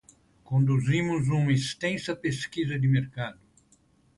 Conduzimos uma extensa pesquisa de mercado.